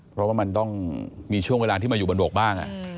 เพราะว่ามันต้องมีช่วงเวลาที่มาอยู่บนบวกบ้าง